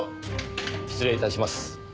失礼致します。